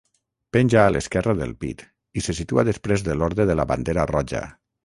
Penja a l'esquerra del pit i se situa després de l'Orde de la Bandera Roja.